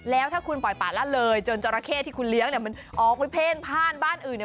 แล้วถ้าคุณปล่อยปากละเลยจนเจ้าระเข้ที่คุณเลี้ยงมันออกไปเพ่นผ้านบ้านอื่น